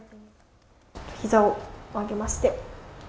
膝を曲げまして。